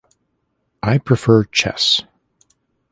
I prefer chess.